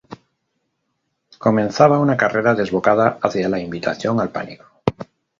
Comenzaba una carrera desbocada hacia la invitación al pánico.